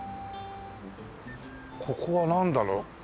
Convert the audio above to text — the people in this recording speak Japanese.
ここはなんだろう？